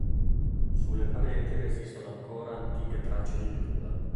Sulle pareti resistono ancora antiche tracce di pittura.